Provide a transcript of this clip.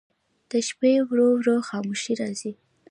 د شپې ورو ورو خاموشي راځي.